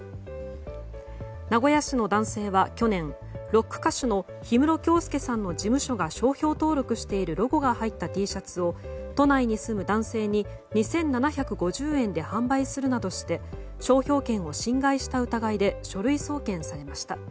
名古屋市の男性は去年ロック歌手の氷室京介さんの事務所が商標登録しているロゴが入ったＴシャツを都内に住む男性に２７５０円で販売するなどして商標権を侵害した疑いで書類送検されました。